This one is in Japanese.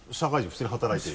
普通に働いてる？